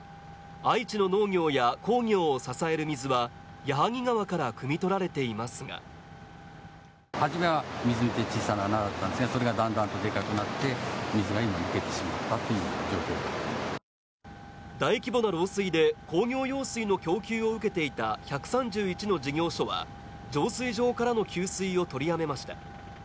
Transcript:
愛知の農業や工業を支える水は矢作川からくみ取られていますが大規模な漏水で工業用水の供給を受けていた１３１の事業所は、浄水場からの給水を取りやめました。